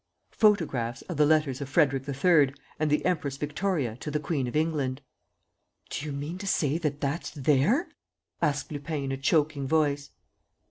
"Photographs of the letters of Frederick III., and the Empress Victoria to the Queen of England." "Do you mean to say that that's there?" asked Lupin, in a choking voice.